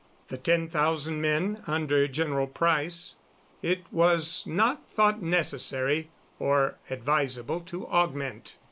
The ten thousand men under General Price it was not thought necessary or advisable to augment.